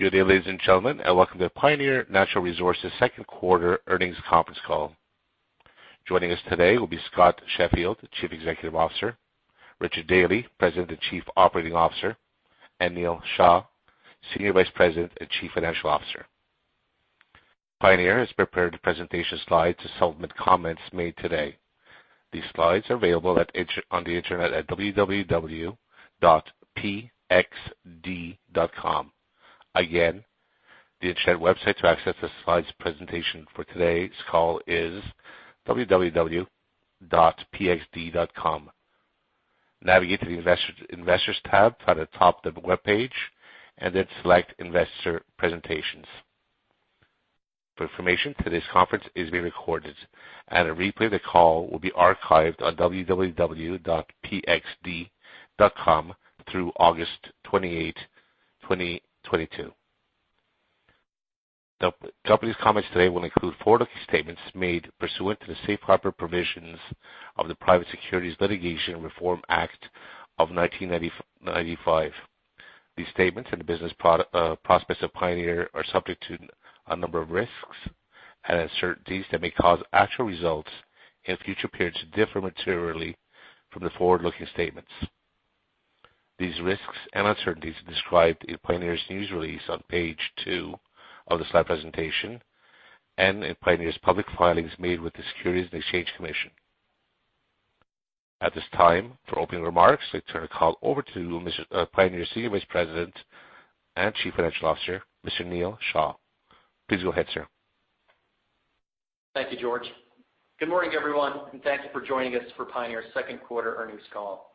Good day, ladies and gentlemen, and welcome to Pioneer Natural Resources Second Quarter Earnings Conference Call. Joining us today will be Scott Sheffield, the Chief Executive Officer, Richard Dealy, President and Chief Operating Officer, and Neal Shah, Senior Vice President and Chief Financial Officer. Pioneer has prepared presentation slides to supplement comments made today. These slides are available on the Internet at www.pxd.com. Again, the Internet website to access the slides presentation for today's call is www.pxd.com. Navigate to the Investors tab at the top of the webpage and then select Investor Presentations. For information, today's conference is being recorded and a replay of the call will be archived on www.pxd.com through August 28, 2022. The company's comments today will include forward-looking statements made pursuant to the safe harbor provisions of the Private Securities Litigation Reform Act of 1995. These statements in the business prospects of Pioneer are subject to a number of risks and uncertainties that may cause actual results in future periods to differ materially from the forward-looking statements. These risks and uncertainties are described in Pioneer's news release on page two of the slide presentation and in Pioneer's public filings made with the Securities and Exchange Commission. At this time, for opening remarks, let's turn the call over to Mr. Pioneer Senior Vice President and Chief Financial Officer, Mr. Neal Shah. Please go ahead, sir. Thank you, George. Good morning, everyone, and thank you for joining us for Pioneer's Second Quarter Earnings Call.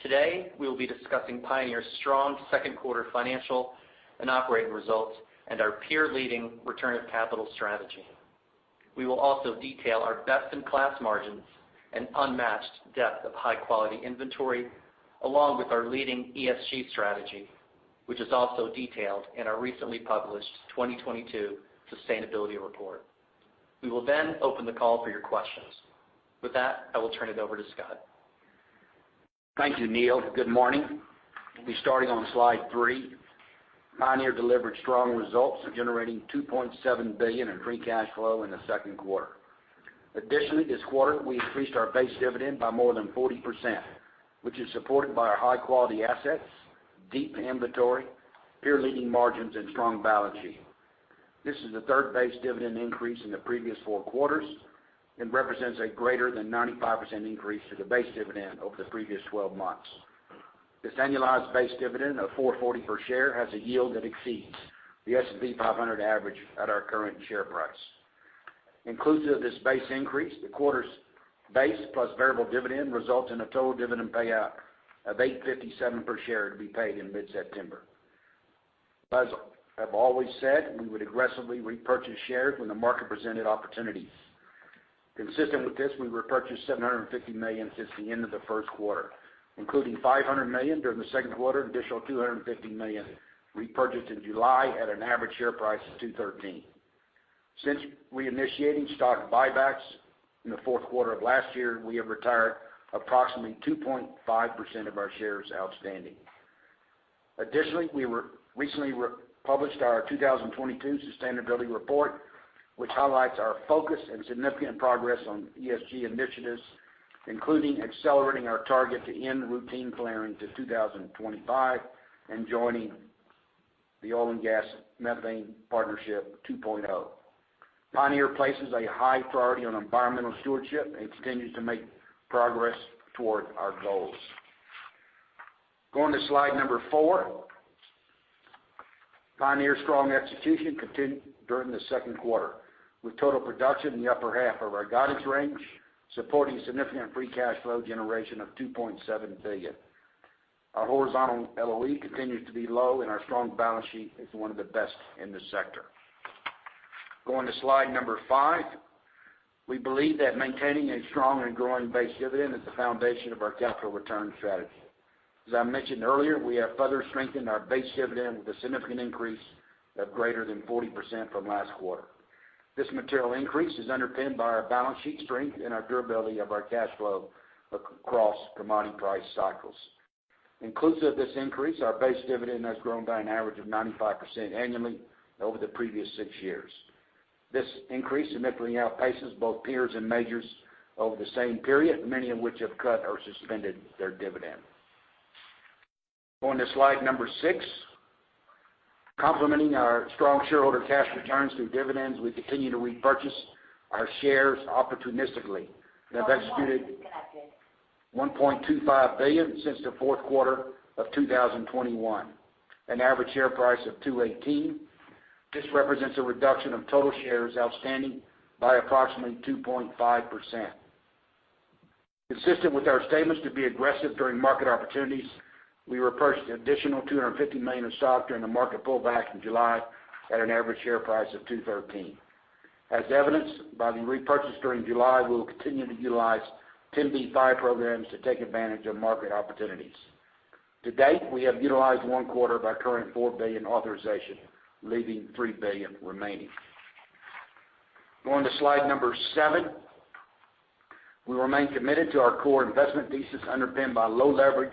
Today, we'll be discussing Pioneer's strong second quarter financial and operating results and our peer-leading return of capital strategy. We will also detail our best-in-class margins and unmatched depth of high-quality inventory, along with our leading ESG strategy, which is also detailed in our recently published 2022 sustainability report. We will then open the call for your questions. With that, I will turn it over to Scott. Thank you, Neil. Good morning. We'll be starting on slide three. Pioneer delivered strong results, generating $2.7 billion in free cash flow in the second quarter. Additionally, this quarter, we increased our base dividend by more than 40%, which is supported by our high-quality assets, deep inventory, peer-leading margins and strong balance sheet. This is the third base dividend increase in the previous four quarters and represents a greater than 95% increase to the base dividend over the previous 12 months. This annualized base dividend of $4.40 per share has a yield that exceeds the S&P 500 average at our current share price. Inclusive of this base increase, the quarter's base plus variable dividend results in a total dividend payout of $8.57 per share to be paid in mid-September. As I've always said, we would aggressively repurchase shares when the market presented opportunities. Consistent with this, we repurchased $750 million since the end of the first quarter, including $500 million during the second quarter, an additional $250 million repurchased in July at an average share price of $213. Since we initiated stock buybacks in the fourth quarter of last year, we have retired approximately 2.5% of our shares outstanding. Additionally, we recently republished our 2022 sustainability report, which highlights our focus and significant progress on ESG initiatives, including accelerating our target to end routine flaring to 2025 and joining the Oil & Gas Methane Partnership 2.0. Pioneer places a high priority on environmental stewardship and continues to make progress toward our goals. Going to slide number four. Pioneer's strong execution continued during the second quarter, with total production in the upper half of our guidance range, supporting significant free cash flow generation of $2.7 billion. Our horizontal LOE continues to be low, and our strong balance sheet is one of the best in the sector. Going to slide number five. We believe that maintaining a strong and growing base dividend is the foundation of our capital return strategy. As I mentioned earlier, we have further strengthened our base dividend with a significant increase of greater than 40% from last quarter. This material increase is underpinned by our balance sheet strength and our durability of our cash flow across commodity price cycles. Inclusive of this increase, our base dividend has grown by an average of 95% annually over the previous six years. This increase significantly outpaces both peers and majors over the same period, many of which have cut or suspended their dividend. Going to slide six. Complementing our strong shareholder cash returns through dividends, we continue to repurchase our shares opportunistically. We have executed $1.25 billion since the fourth quarter of 2021, an average share price of $218. This represents a reduction of total shares outstanding by approximately 2.5%. Consistent with our statements to be aggressive during market opportunities, we repurchased an additional $250 million of stock during the market pullback in July at an average share price of $213. As evidenced by the repurchase during July, we will continue to utilize 10b5-1 programs to take advantage of market opportunities. To date, we have utilized one quarter of our current $4 billion authorization, leaving $3 billion remaining. Going to slide number seven. We remain committed to our core investment thesis underpinned by low leverage,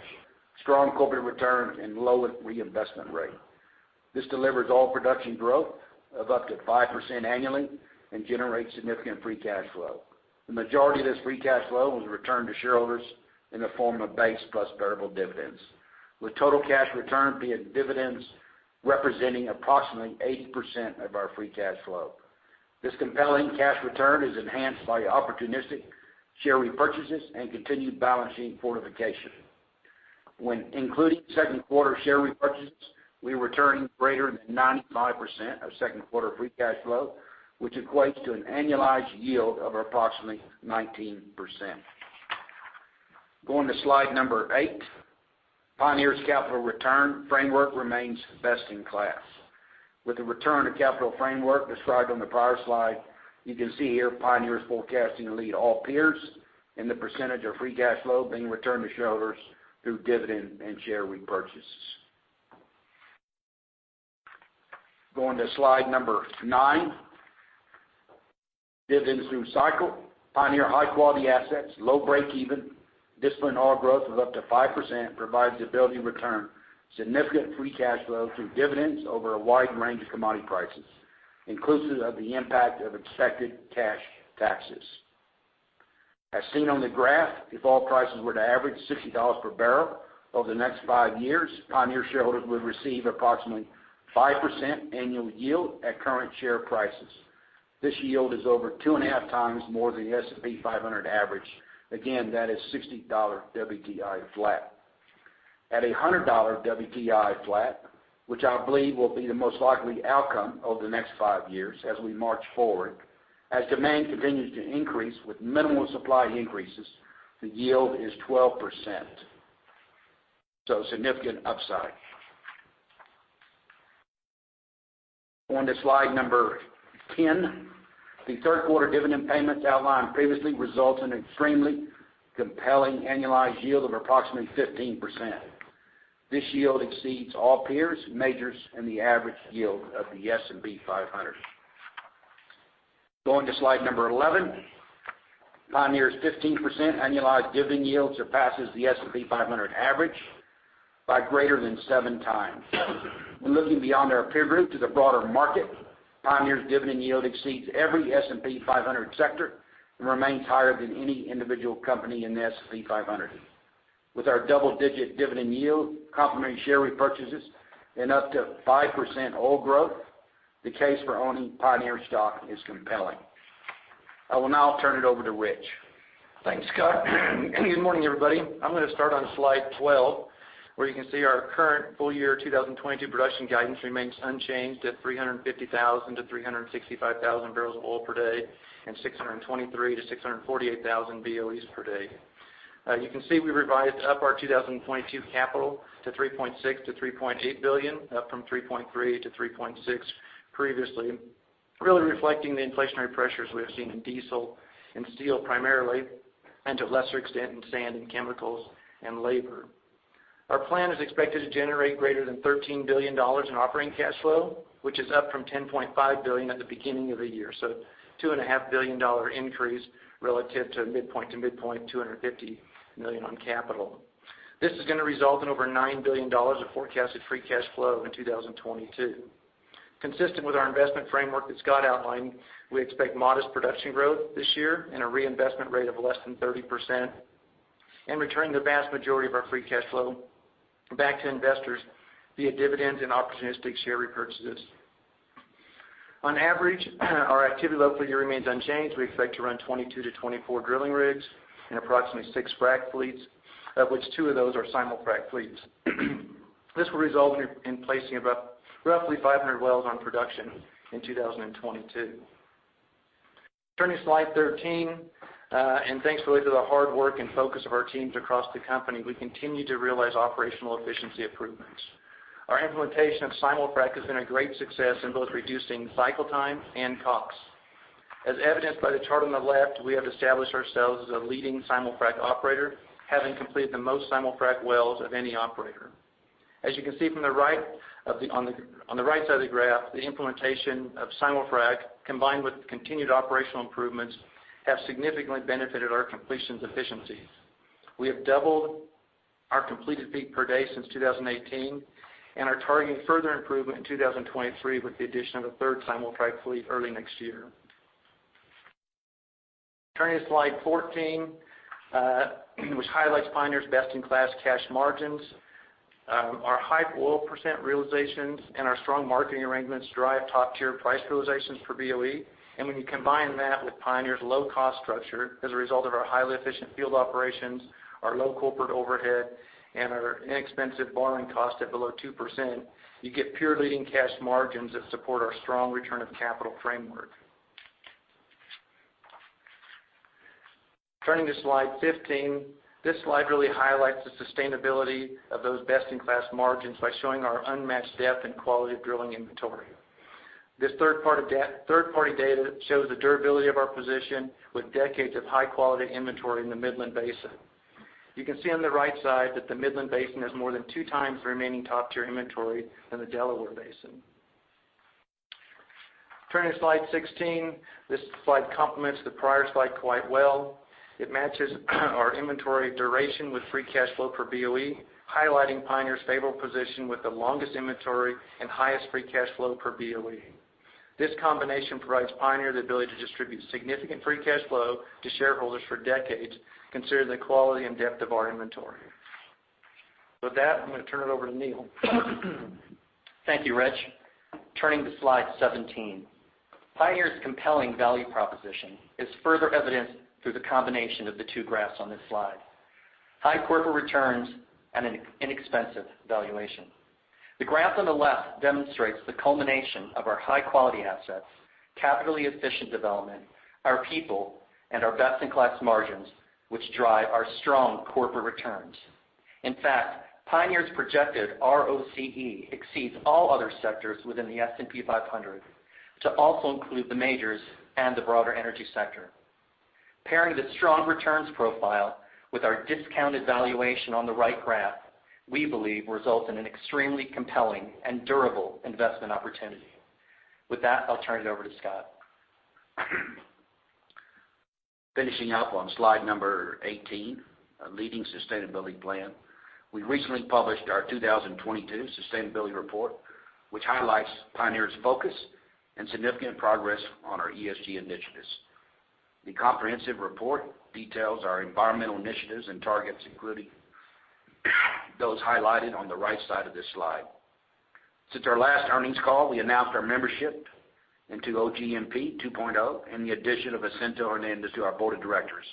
strong corporate return, and low reinvestment rate. This delivers oil production growth of up to 5% annually and generates significant free cash flow. The majority of this free cash flow was returned to shareholders in the form of base plus variable dividends, with total cash return via dividends representing approximately 80% of our free cash flow. This compelling cash return is enhanced by opportunistic share repurchases and continued balance sheet fortification. When including second quarter share repurchases, we returned greater than 95% of second quarter free cash flow, which equates to an annualized yield of approximately 19%. Going to slide number eight. Pioneer's capital return framework remains best in class. With the return to capital framework described on the prior slide, you can see here Pioneer is forecasting to lead all peers in the percentage of free cash flow being returned to shareholders through dividend and share repurchases. Going to slide number nine. Dividends through cycle. Pioneer high-quality assets, low break-even, disciplined oil growth of up to 5% provides the ability to return significant free cash flow through dividends over a wide range of commodity prices, inclusive of the impact of expected cash taxes. As seen on the graph, if oil prices were to average $60 per barrel over the next five years, Pioneer shareholders would receive approximately 5% annual yield at current share prices. This yield is over 2.5 times more than the S&P 500 average. Again, that is $60 WTI flat. At $100 WTI flat, which I believe will be the most likely outcome over the next five years as we march forward, as demand continues to increase with minimal supply increases, the yield is 12%. Significant upside. Going to slide 10. The third quarter dividend payments outlined previously result in extremely compelling annualized yield of approximately 15%. This yield exceeds all peers, majors, and the average yield of the S&P 500. Going to slide 11. Pioneer's 15% annualized dividend yield surpasses the S&P 500 average by greater than seven times. When looking beyond our peer group to the broader market, Pioneer's dividend yield exceeds every S&P 500 sector and remains higher than any individual company in the S&P 500. With our double-digit dividend yield, complementary share repurchases, and up to 5% oil growth, the case for owning Pioneer stock is compelling. I will now turn it over to Rich. Thanks, Scott. Good morning, everybody. I'm gonna start on slide 12, where you can see our current full-year 2022 production guidance remains unchanged at 350,000-365,000 barrels of oil per day and 623,000-648,000 BOEs per day. You can see we revised up our 2022 capital to $3.6-$3.8 billion, up from $3.3-$3.6 previously, really reflecting the inflationary pressures we have seen in diesel and steel primarily, and to a lesser extent in sand and chemicals and labor. Our plan is expected to generate greater than $13 billion in operating cash flow, which is up from $10.5 billion at the beginning of the year, so $2.5 billion dollar increase relative to midpoint to midpoint, $250 million on capital. This is gonna result in over $9 billion of forecasted free cash flow in 2022. Consistent with our investment framework that Scott outlined, we expect modest production growth this year and a reinvestment rate of less than 30% and return the vast majority of our free cash flow back to investors via dividends and opportunistic share repurchases. On average, our activity level for the year remains unchanged. We expect to run 22-24 drilling rigs and approximately six frac fleets, of which two of those are simul-frac fleets. This will result in placing about roughly 500 wells on production in 2022. Turning to slide 13, and thanks really to the hard work and focus of our teams across the company, we continue to realize operational efficiency improvements. Our implementation of simul-frac has been a great success in both reducing cycle time and costs. As evidenced by the chart on the left, we have established ourselves as a leading simul-frac operator, having completed the most simul-frac wells of any operator. As you can see from the right side of the graph, the implementation of simul-frac, combined with continued operational improvements, have significantly benefited our completions efficiencies. We have doubled our completed feet per day since 2018 and are targeting further improvement in 2023 with the addition of a third simul-frac fleet early next year. Turning to slide 14, which highlights Pioneer's best-in-class cash margins. Our high oil % realizations and our strong marketing arrangements drive top-tier price realizations for BOE. When you combine that with Pioneer's low cost structure as a result of our highly efficient field operations, our low corporate overhead, and our inexpensive borrowing cost at below 2%, you get peer-leading cash margins that support our strong return of capital framework. Turning to slide 15. This slide really highlights the sustainability of those best-in-class margins by showing our unmatched depth and quality of drilling inventory. This third-party data shows the durability of our position with decades of high-quality inventory in the Midland Basin. You can see on the right side that the Midland Basin has more than two times the remaining top-tier inventory than the Delaware Basin. Turning to slide 16, this slide complements the prior slide quite well. It matches our inventory duration with free cash flow per BOE, highlighting Pioneer's favorable position with the longest inventory and highest free cash flow per BOE. This combination provides Pioneer the ability to distribute significant free cash flow to shareholders for decades, considering the quality and depth of our inventory. With that, I'm gonna turn it over to Neil. Thank you, Rich. Turning to slide 17. Pioneer's compelling value proposition is further evidenced through the combination of the two graphs on this slide, high corporate returns and an inexpensive valuation. The graph on the left demonstrates the culmination of our high-quality assets, capitally efficient development, our people, and our best-in-class margins, which drive our strong corporate returns. In fact, Pioneer's projected ROCE exceeds all other sectors within the S&P 500 to also include the majors and the broader energy sector. Pairing the strong returns profile with our discounted valuation on the right graph, we believe results in an extremely compelling and durable investment opportunity. With that, I'll turn it over to Scott. Finishing up on slide number 18, a leading sustainability plan. We recently published our 2022 sustainability report, which highlights Pioneer's focus and significant progress on our ESG initiatives. The comprehensive report details our environmental initiatives and targets, including those highlighted on the right side of this slide. Since our last earnings call, we announced our membership into OGMP 2.0 and the addition of Jacinto Hernandez to our board of directors,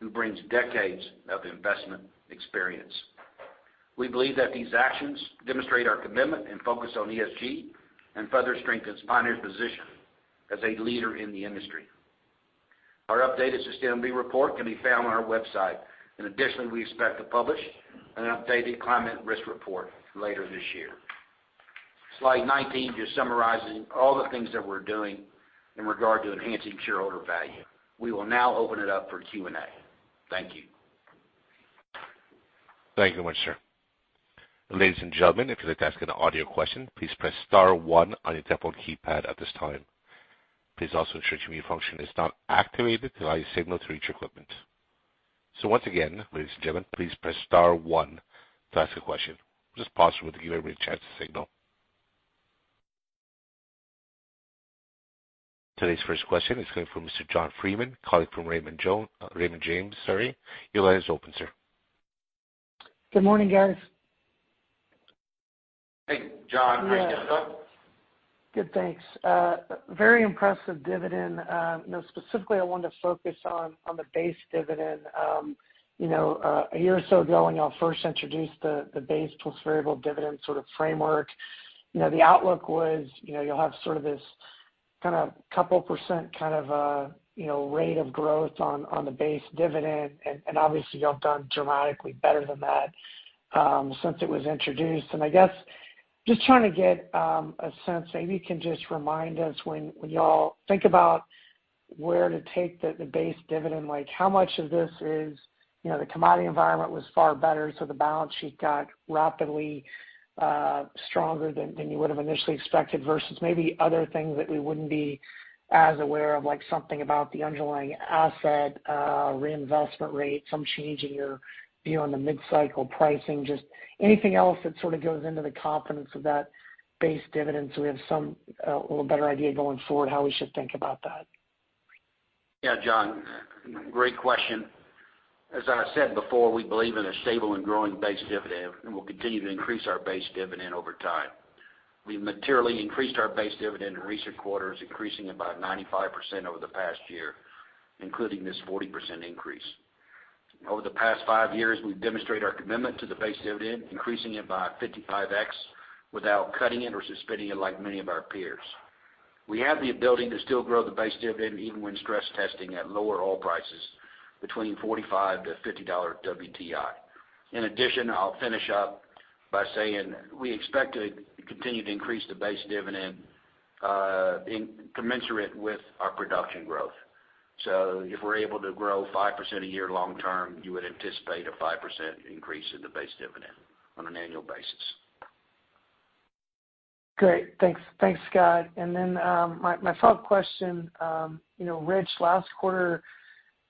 who brings decades of investment experience. We believe that these actions demonstrate our commitment and focus on ESG and further strengthens Pioneer's position as a leader in the industry. Our updated sustainability report can be found on our website. Additionally, we expect to publish an updated climate risk report later this year. Slide 19 just summarizing all the things that we're doing in regard to enhancing shareholder value. We will now open it up for Q&A. Thank you. Thank you much, sir. Ladies and gentlemen, if you'd like to ask an audio question, please press star one on your telephone keypad at this time. Please also ensure your mute function is not activated to allow your signal to reach equipment. Once again, ladies and gentlemen, please press star one to ask a question. Just pause for a moment to give everybody a chance to signal. Today's first question is coming from Mr. John Freeman calling from Raymond James, sorry. Your line is open, sir. Good morning, guys. Hey, John. Hi. How you doing, sir? Good, thanks. Very impressive dividend. Specifically I wanted to focus on the base dividend. You know, a year or so ago, when y'all first introduced the base plus variable dividend sort of framework, you know, the outlook was, you know, you'll have sort of this kinda couple% kind of a rate of growth on the base dividend. Obviously, y'all have done dramatically better than that since it was introduced. I guess just trying to get a sense, maybe you can just remind us when y'all think about where to take the base dividend, like how much of this is, you know, the commodity environment was far better, so the balance sheet got rapidly stronger than you would've initially expected, versus maybe other things that we wouldn't be as aware of, like something about the underlying asset reinvestment rate, some change in your view on the mid-cycle pricing? Just anything else that sort of goes into the confidence of that base dividend, so we have some a little better idea going forward how we should think about that. Yeah, John, great question. As I said before, we believe in a stable and growing base dividend, and we'll continue to increase our base dividend over time. We've materially increased our base dividend in recent quarters, increasing about 95% over the past year, including this 40% increase. Over the past five years, we've demonstrated our commitment to the base dividend, increasing it by 55x without cutting it or suspending it like many of our peers. We have the ability to still grow the base dividend even when stress testing at lower oil prices between $45-$50 WTI. In addition, I'll finish up by saying we expect to continue to increase the base dividend, commensurate with our production growth. If we're able to grow 5% a year long-term, you would anticipate a 5% increase in the base dividend on an annual basis. Great. Thanks. Thanks, Scott. My follow-up question. You know, Rich, last quarter,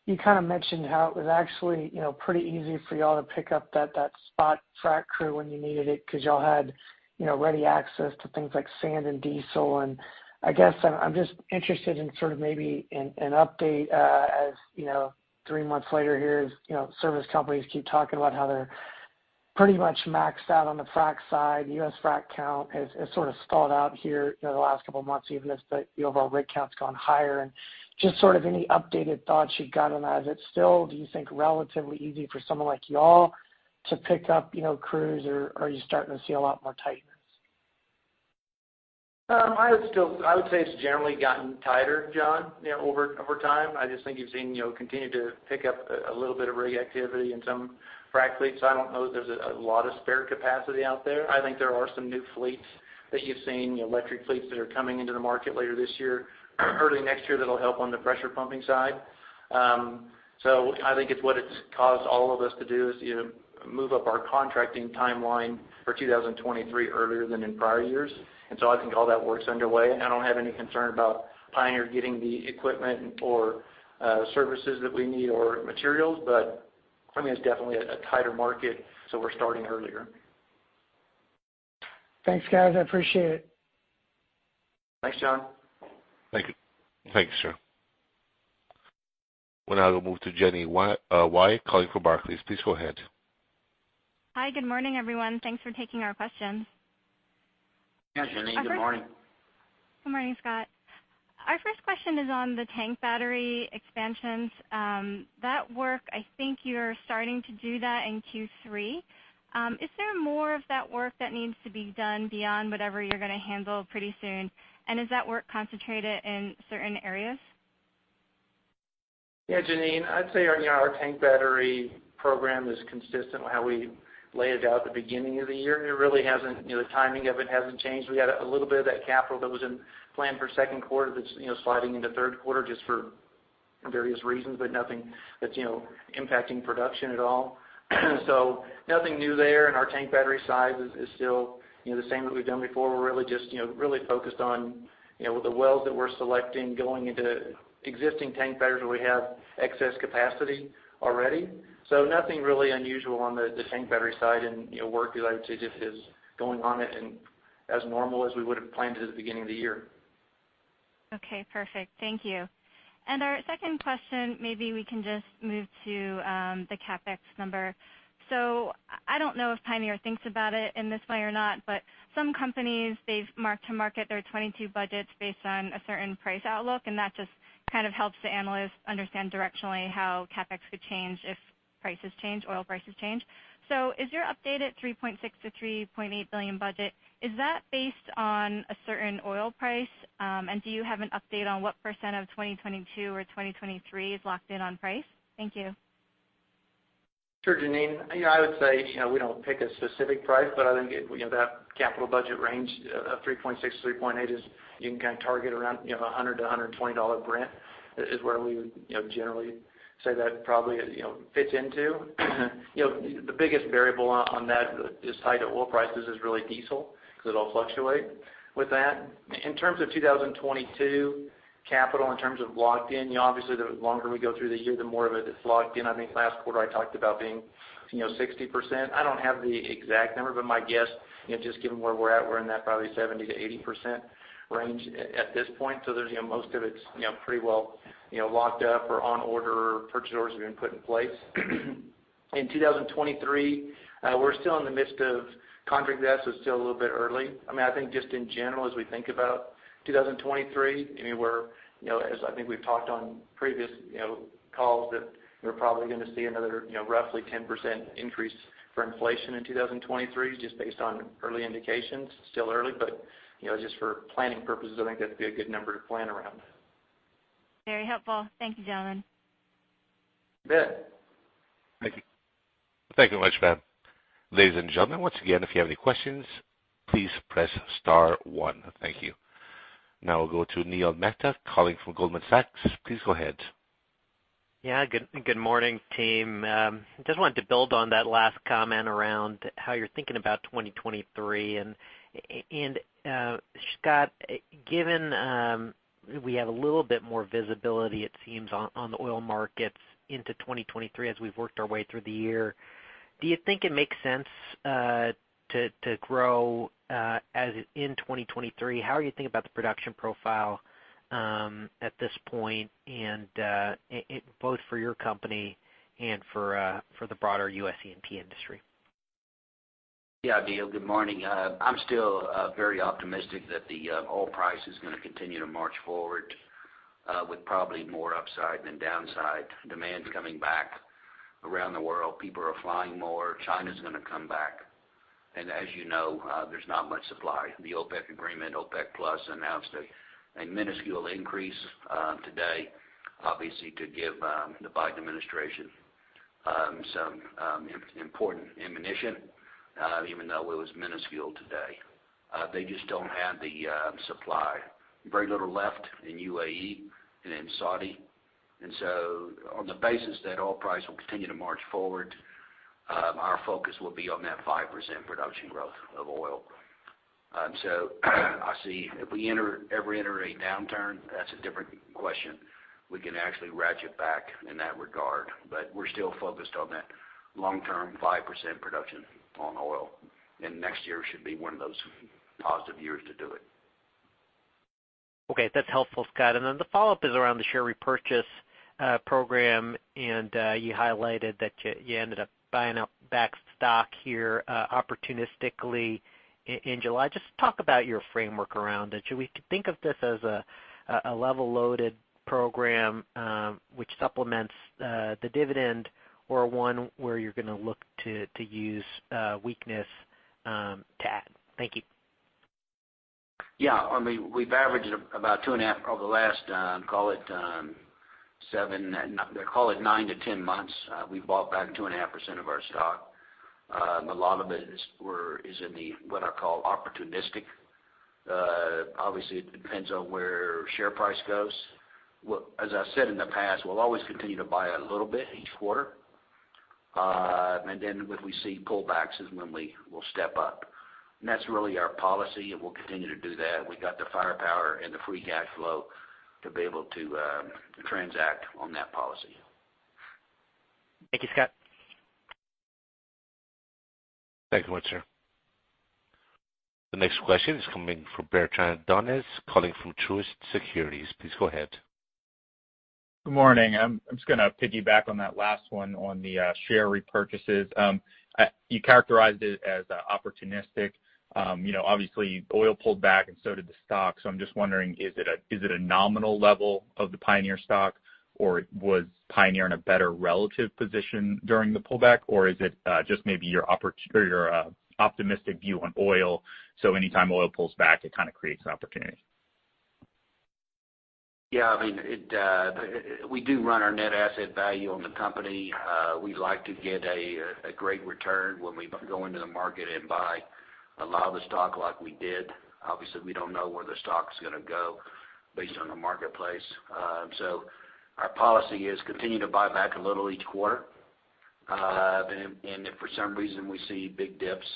you kinda mentioned how it was actually, you know, pretty easy for y'all to pick up that spot frac crew when you needed it, 'cause y'all had, you know, ready access to things like sand and diesel. I guess I'm just interested in sort of maybe an update, as, you know, three months later here as, you know, service companies keep talking about how they're pretty much maxed out on the frac side. U.S. frac count has sort of stalled out here, you know, the last couple months, even as the overall rig count's gone higher. Just sort of any updated thoughts you've got on that. Is it still, do you think, relatively easy for someone like y'all to pick up, you know, crews, or are you starting to see a lot more tightness? I would say it's generally gotten tighter, John, you know, over time. I just think you've seen, you know, continue to pick up a little bit of rig activity in some frac fleets. I don't know that there's a lot of spare capacity out there. I think there are some new fleets that you've seen, you know, electric fleets that are coming into the market later this year, early next year that'll help on the pressure pumping side. I think it's what it's caused all of us to do is, you know, move up our contracting timeline for 2023 earlier than in prior years. I think all that work's underway. I don't have any concern about Pioneer getting the equipment or services that we need or materials, but for me, it's definitely a tighter market, so we're starting earlier. Thanks, guys. I appreciate it. Thanks, John. Thank you. Thanks, John. We'll now move to Jeanine Wai calling from Barclays. Please go ahead. Hi, good morning, everyone. Thanks for taking our questions. Yeah, Jeanine, good morning. Good morning, Scott. Our first question is on the tank battery expansions. That work, I think you're starting to do that in Q3. Is there more of that work that needs to be done beyond whatever you're gonna handle pretty soon? Is that work concentrated in certain areas? Yeah, Jeanine, I'd say our, you know, our tank battery program is consistent with how we laid it out at the beginning of the year. It really hasn't, you know, the timing of it hasn't changed. We had a little bit of that capital that was in plan for second quarter that's, you know, sliding into third quarter just for various reasons, but nothing that's, you know, impacting production at all. So nothing new there, and our tank battery size is still, you know, the same that we've done before. We're really just, you know, really focused on, you know, with the wells that we're selecting going into existing tank batteries where we have excess capacity already. Nothing really unusual on the tank battery side and, you know, work related to it just is going on, and as normal as we would've planned it at the beginning of the year. Okay. Perfect. Thank you. Our second question, maybe we can just move to the CapEx number. I don't know if Pioneer thinks about it in this way or not, but some companies, they've marked to market their 2022 budgets based on a certain price outlook, and that just kind of helps the analysts understand directionally how CapEx could change if prices change, oil prices change. Is your updated $3.6-$3.8 billion budget based on a certain oil price? Do you have an update on what % of 2022 or 2023 is locked in on price? Thank you. Sure, Jeanine. You know, I would say, you know, we don't pick a specific price, but I think, you know, that capital budget range of $3.6-$3.8 is, you can kind of target around, you know, $100-$120 Brent is where we would, you know, generally say that probably, you know, fits into. You know, the biggest variable on that is tied to oil prices is really diesel because it'll fluctuate with that. In terms of 2022 capital, in terms of locked in, you know, obviously, the longer we go through the year, the more of it that's locked in. I think last quarter I talked about being, you know, 60%. I don't have the exact number, but my guess, you know, just given where we're at, we're in that probably 70%-80% range at this point. There's, you know, most of it's, you know, pretty well, you know, locked up or on order, purchase orders have been put in place. In 2023, we're still in the midst of contract, so it's still a little bit early. I mean, I think just in general, as we think about 2023, I mean, we're, you know, as I think we've talked on previous, you know, calls that we're probably gonna see another, you know, roughly 10% increase for inflation in 2023 just based on early indications. Still early, but, you know, just for planning purposes, I think that'd be a good number to plan around. Very helpful. Thank you, gentlemen. You bet. Thank you. Thank you very much, ma'am. Ladies and gentlemen, once again, if you have any questions, please press star one. Thank you. Now we'll go to Neil Mehta calling from Goldman Sachs. Please go ahead. Yeah. Good morning, team. Just wanted to build on that last comment around how you're thinking about 2023. Scott, given we have a little bit more visibility, it seems, on the oil markets into 2023 as we've worked our way through the year, do you think it makes sense to grow in 2023? How are you thinking about the production profile at this point, both for your company and for the broader U.S. E&P industry? Yeah. Neil, good morning. I'm still very optimistic that the oil price is gonna continue to march forward with probably more upside than downside. Demand's coming back around the world. People are flying more. China's gonna come back. As you know, there's not much supply. The OPEC agreement, OPEC Plus announced a minuscule increase today, obviously to give the Biden administration some important ammunition, even though it was minuscule today. They just don't have the supply. Very little left in UAE and in Saudi. On the basis that oil price will continue to march forward, our focus will be on that 5% production growth of oil. I see if we ever enter a downturn, that's a different question. We can actually ratchet back in that regard, but we're still focused on that long-term 5% production on oil. Next year should be one of those positive years to do it. Okay. That's helpful, Scott. The follow-up is around the share repurchase program. You highlighted that you ended up buying back stock here opportunistically in July. Just talk about your framework around it. Should we think of this as a level loaded program, which supplements the dividend or one where you're gonna look to use weakness to add? Thank you. Yeah. I mean, we've averaged about 2.5 over the last, call it, nine-10 months. We've bought back 2.5% of our stock. A lot of it is in the, what I call, opportunistic. Obviously, it depends on where share price goes. Well, as I said in the past, we'll always continue to buy a little bit each quarter. Then when we see pullbacks is when we will step up. That's really our policy, and we'll continue to do that. We got the firepower and the free cash flow to be able to transact on that policy. Thank you, Scott. Thank you much, sir. The next question is coming from Bertrand Donnes, calling from Truist Securities. Please go ahead. Good morning. I'm just gonna piggyback on that last one on the share repurchases. You characterized it as opportunistic. You know, obviously, oil pulled back and so did the stock. I'm just wondering, is it a nominal level of the Pioneer stock, or was Pioneer in a better relative position during the pullback? Or is it just maybe your or your optimistic view on oil, so anytime oil pulls back, it kind of creates an opportunity? Yeah. I mean, we do run our net asset value on the company. We like to get a great return when we go into the market and buy a lot of the stock like we did. Obviously, we don't know where the stock's gonna go based on the marketplace. Our policy is continue to buy back a little each quarter. If for some reason we see big dips,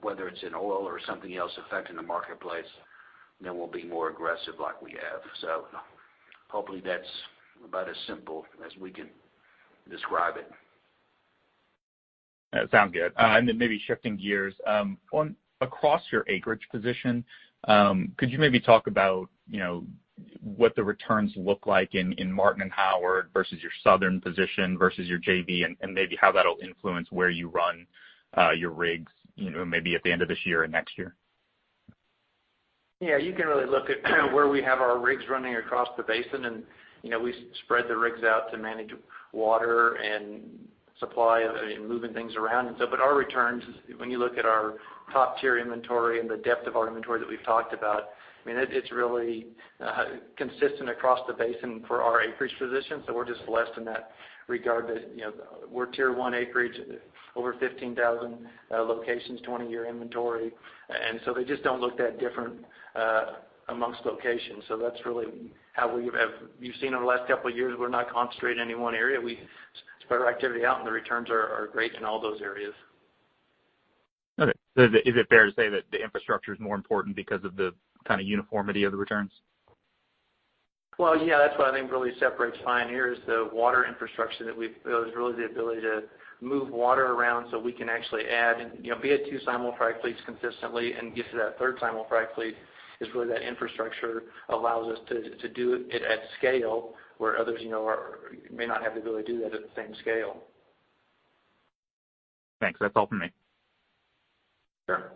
whether it's in oil or something else affecting the marketplace, then we'll be more aggressive like we have. Hopefully that's about as simple as we can describe it. That sound good. Maybe shifting gears. Across your acreage position, could you maybe talk about, you know, what the returns look like in Martin and Howard versus your southern position versus your JV, and maybe how that'll influence where you run your rigs, you know, maybe at the end of this year and next year? Yeah. You can really look at where we have our rigs running across the basin, and, you know, we spread the rigs out to manage water and supply, I mean, moving things around and stuff. Our returns is, when you look at our top-tier inventory and the depth of our inventory that we've talked about, I mean, it's really consistent across the basin for our acreage position, so we're just less in that regard that, you know, we're tier one acreage, over 15,000 locations, 20-year inventory. They just don't look that different among locations. That's really how we have. You've seen over the last couple of years, we're not concentrated in any one area. We spread our activity out, and the returns are great in all those areas. Okay. Is it fair to say that the infrastructure is more important because of the kind of uniformity of the returns? Well, yeah, that's what I think really separates Pioneer, is the water infrastructure that we've built, is really the ability to move water around so we can actually add and, you know, be at two simul-frac fleets consistently and get to that third simul-frac fleet, is really that infrastructure allows us to to do it at scale, where others, you know, are may not have the ability to do that at the same scale. Thanks. That's all for me. Sure.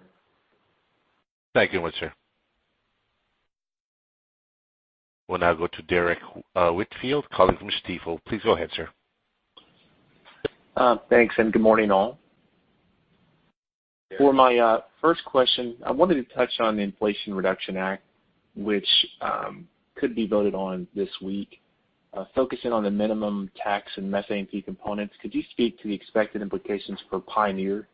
Thank you much, sir. We'll now go to Derrick Whitfield, calling from Stifel. Please go ahead, sir. Thanks, and good morning, all. Good morning. For my first question, I wanted to touch on the Inflation Reduction Act, which could be voted on this week. Focusing on the minimum tax and methane fee components, could you speak to the expected implications for Pioneer?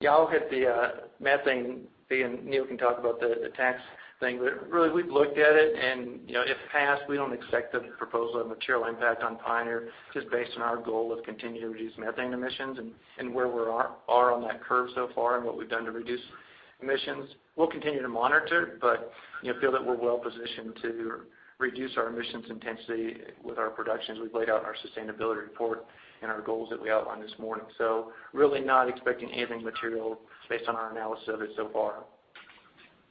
Yeah, I'll hit the methane fee, and Neil can talk about the tax thing. Really we've looked at it, and you know, if passed, we don't expect the proposal to have material impact on Pioneer, just based on our goal of continuing to reduce methane emissions and where we're on that curve so far and what we've done to reduce emissions. We'll continue to monitor, but you know, feel that we're well positioned to reduce our emissions intensity with our productions we've laid out in our sustainability report and our goals that we outlined this morning. Really not expecting anything material based on our analysis of it so far.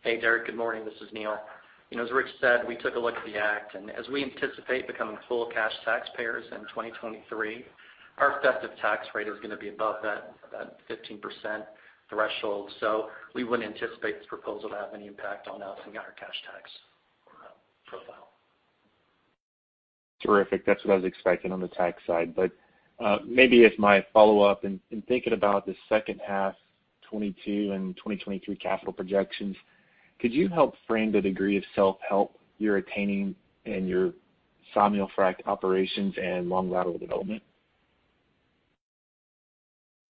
Hey, Derrick, good morning. This is Neil. You know, as Rich said, we took a look at the act. As we anticipate becoming full cash taxpayers in 2023, our effective tax rate is gonna be above that 15% threshold. We wouldn't anticipate this proposal to have any impact on us and our cash tax profile. Terrific. That's what I was expecting on the tax side. Maybe as my follow-up, in thinking about the second half 2022 and 2023 capital projections, could you help frame the degree of self-help you're attaining in your simul-frac operations and long lateral development?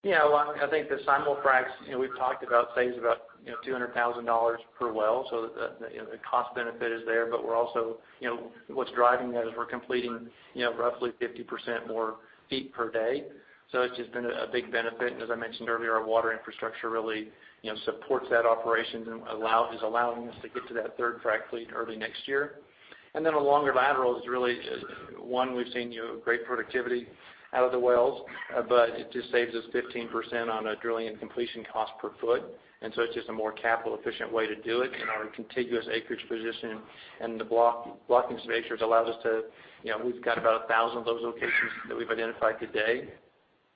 Yeah. Well, I think the simul-fracs, you know, we've talked about saves about $200,000 per well, so you know, the cost benefit is there. But we're also, you know, what's driving that is we're completing, you know, roughly 50% more feet per day. So it's just been a big benefit. As I mentioned earlier, our water infrastructure really, you know, supports that operations and is allowing us to get to that third frac fleet early next year. Then the longer laterals is really, one, we've seen, you know, great productivity out of the wells, but it just saves us 15% on a drilling and completion cost per foot. So it's just a more capital efficient way to do it. Our contiguous acreage position and the block, blocking some acres allows us to, you know, we've got about 1,000 of those locations that we've identified today.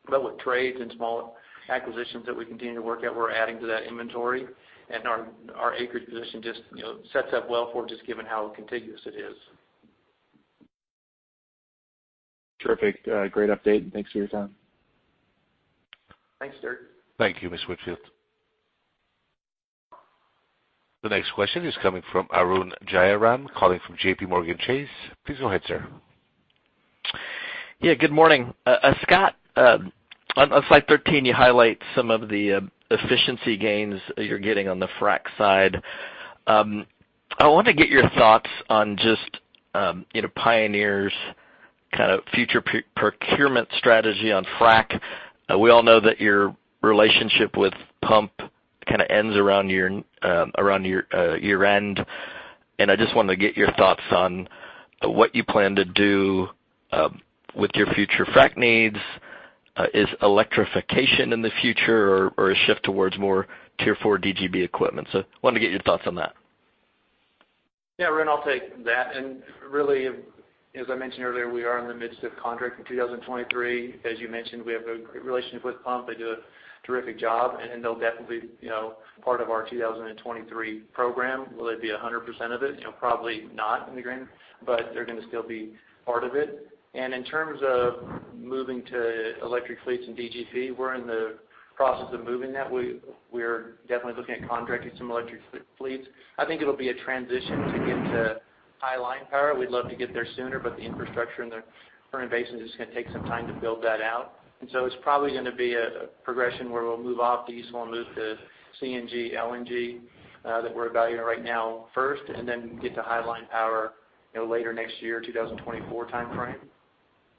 With trades and small acquisitions that we continue to work at, we're adding to that inventory. Our acreage position just, you know, sets up well for just given how contiguous it is. Terrific. Great update and thanks for your time. Thanks, Derrick. Thank you, Mr. Whitfield. The next question is coming from JPMorgan Chase. Please go ahead, sir. Good morning. Scott, on slide 13, you highlight some of the efficiency gains you're getting on the frac side. I wanted to get your thoughts on just, you know, Pioneer's kind of future procurement strategy on frac. We all know that your relationship with ProPetro kind of ends around your year-end. I just wanted to get your thoughts on what you plan to do with your future frac needs. Is electrification in the future or a shift towards more Tier 4 DGB equipment? Wanted to get your thoughts on that. Yeah, Arun, I'll take that. Really, as I mentioned earlier, we are in the midst of contracting 2023. As you mentioned, we have a great relationship with ProPetro. They do a terrific job, and they'll definitely, you know, part of our 2023 program. Will they be 100% of it? You know, probably not in the grand, but they're gonna still be part of it. In terms of moving to electric fleets and DGB, we're in the process of moving that. We're definitely looking at contracting some electric fleets. I think it'll be a transition to get to high line power. We'd love to get there sooner, but the infrastructure and the current basins, it's gonna take some time to build that out. It's probably gonna be a progression where we'll move off diesel and move to CNG, LNG, that we're evaluating right now first, and then get to high line power, you know, later next year, 2024 timeframe.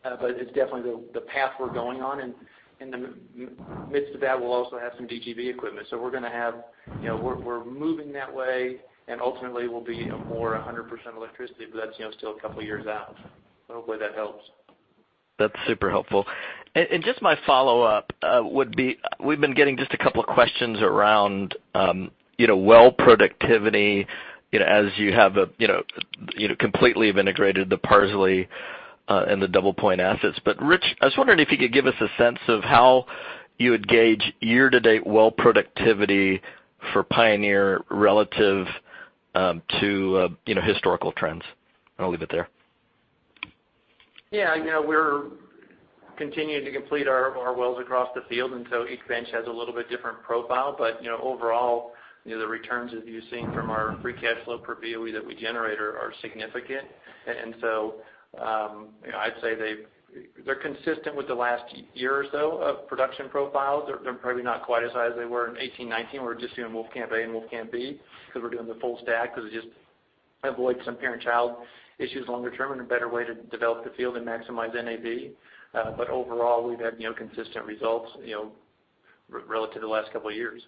But it's definitely the path we're going on. In the midst of that, we'll also have some DGB equipment. We're gonna have. You know, we're moving that way, and ultimately we'll be, you know, more a 100% electricity, but that's, you know, still a couple years out. Hopefully that helps. That's super helpful. Just my follow-up would be, we've been getting just a couple of questions around, you know, well productivity, you know, as you have completely integrated the Parsley and the DoublePoint assets. Rich, I was wondering if you could give us a sense of how you would gauge year-to-date well productivity for Pioneer relative to, you know, historical trends? I'll leave it there. Yeah. You know, we're continuing to complete our wells across the field, and so each bench has a little bit different profile. You know, overall, you know, the returns as you've seen from our free cash flow per BOE that we generate are significant. You know, I'd say they're consistent with the last year or so of production profiles. They're probably not quite as high as they were in 2018, 2019. We're just doing Wolfcamp A and Wolfcamp B because we're doing the full stack, because it just avoid some parent-child issues longer term and a better way to develop the field and maximize NAV. Overall, we've had, you know, consistent results, you know, relative to the last couple of years.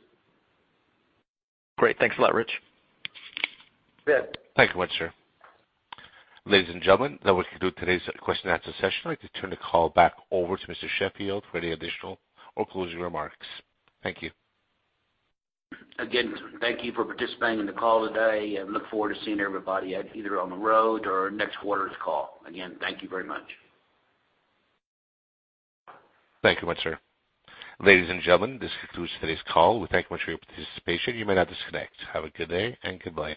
Great. Thanks a lot, Rich. You bet. Thank you much, sir. Ladies and gentlemen, that will conclude today's question and answer session. I'd like to turn the call back over to Mr. Sheffield for any additional or closing remarks. Thank you. Again, thank you for participating in the call today, and look forward to seeing everybody either on the road or next quarter's call. Again, thank you very much. Thank you much, sir. Ladies and gentlemen, this concludes today's call. We thank you much for your participation. You may now disconnect. Have a good day and goodbye.